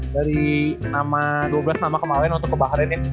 dari nama dua belas nama kemaren untuk ke bahren ya